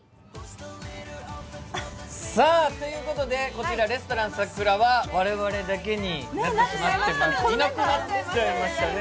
こちらレストラン櫻は我々だけになってしまっていなくなっちゃいましたね。